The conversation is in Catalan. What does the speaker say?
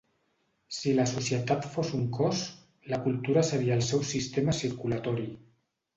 Si la societat fos un cos, la cultura seria el seu sistema circulatori.